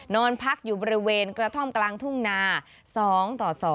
นอนพักอยู่บริเวณกระท่อมกลางทุ่งนา๒ต่อ๒